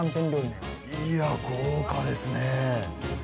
いや豪華ですね。